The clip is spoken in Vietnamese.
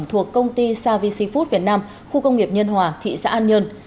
thuộc công ty savvy seafood việt nam khu công nghiệp nhân hòa thị xã an nhơn